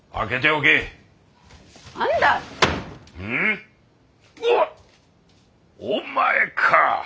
お前か。